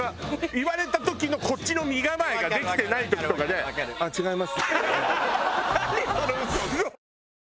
言われた時のこっちの身構えができてない時とかで「ああ違います」。